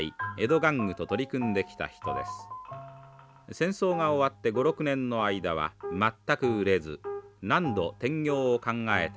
戦争が終わって５６年の間は全く売れず何度転業を考えたか知れないそうです。